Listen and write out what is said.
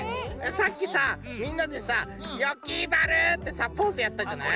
さっきさみんなでさ「よきまる！」ってポーズやったじゃない。